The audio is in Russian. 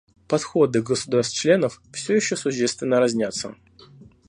Подходы государств-членов все еще существенно разнятся.